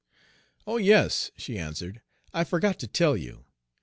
"Oh, yes," she answered, "I forgot to tell you.